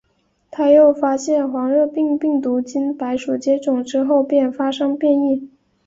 他又发现黄热病病毒经白鼠接种之后便发生变异。